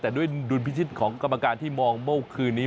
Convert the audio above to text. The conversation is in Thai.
แต่ด้วยดุลพิชิตของกรรมการที่มองเมื่อคืนนี้